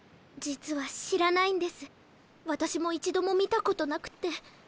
実は知らないんです私も一度も見たことなくて。